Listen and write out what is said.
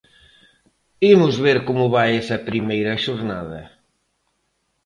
Imos ver como vai esa primeira xornada.